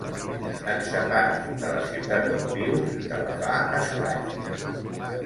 Et separa de la ciutat on vius i te la fa estranya.